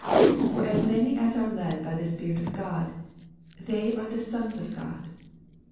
For as many as are led by the Spirit of God, they are the sons of God.